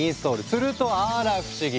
するとあら不思議！